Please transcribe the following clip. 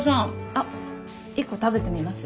あっ１個食べてみます？